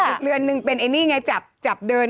อีกเรือนนึงเป็นไอ้นี่ไงจับจับเดิน